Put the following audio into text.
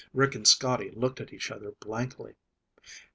Rick and Scotty looked at each other blankly.